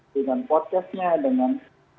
dengan podcastnya dengan